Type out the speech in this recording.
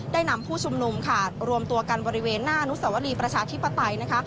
นำผู้ชุมนุมค่ะรวมตัวกันบริเวณหน้าอนุสวรีประชาธิปไตยนะคะ